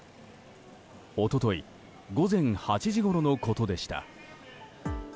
一昨日午前８時ごろのことでした。